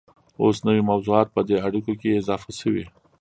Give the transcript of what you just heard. اوس نوي موضوعات په دې اړیکو کې اضافه شوي